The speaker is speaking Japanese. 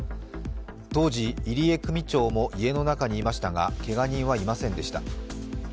当時、入江組長も家の中にいましたが、けが人はいませんでした。